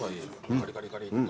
カリカリカリっと。